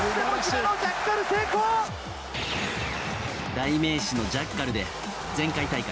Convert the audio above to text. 代名詞のジャッカルで前回大会